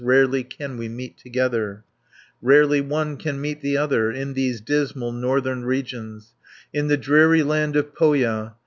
Rarely can we meet together, Rarely one can meet the other, In these dismal Northern regions, In the dreary land of Pohja.